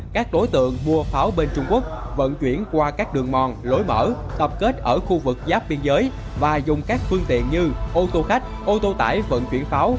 các đối tượng mua pháo bên trung quốc vận chuyển qua các đường mòn lối mở tập kết ở khu vực giáp biên giới và dùng các phương tiện như ô tô khách ô tô tải vận chuyển pháo